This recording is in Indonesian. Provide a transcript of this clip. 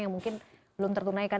yang mungkin belum tertunaikan